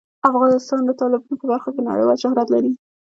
افغانستان د تالابونه په برخه کې نړیوال شهرت لري.